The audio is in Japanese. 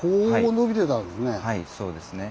そうです。